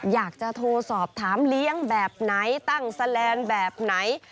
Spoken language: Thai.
อยากจะโทรสอบถามเลี้ยงแบบไหนตั้งแสลนด์แบบไหน